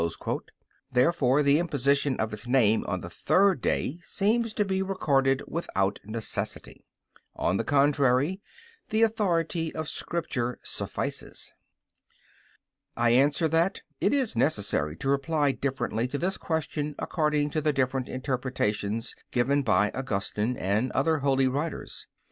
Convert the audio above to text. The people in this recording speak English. Therefore the imposition of its name on the third day seems to be recorded without necessity. On the contrary, The authority of Scripture suffices. I answer that, It is necessary to reply differently to this question according to the different interpretations given by Augustine and other holy writers.